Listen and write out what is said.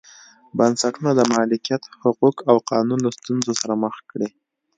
بنسټونو د مالکیت حقوق او قانون له ستونزو سره مخ کړي.